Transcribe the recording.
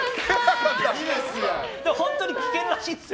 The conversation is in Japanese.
本当に危険らしいですよ。